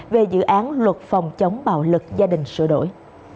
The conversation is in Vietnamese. về dự án luật phòng chống bạo lực gia đình sửa đổi